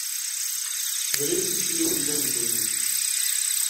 Tecba akk tisekliwin yellan deg ddunit.